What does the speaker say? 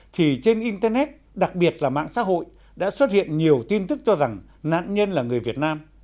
thì trên internet đặc biệt là mạng xã hội đã xuất hiện nhiều tin tức cho rằng nạn nhân là người việt nam